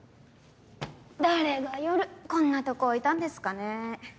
誰が夜こんなとこ置いたんですかね？